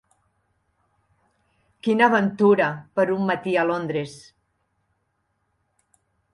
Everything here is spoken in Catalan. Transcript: Quina aventura per un matí a Londres!